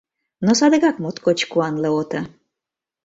Но садыгак моткоч куанле ото.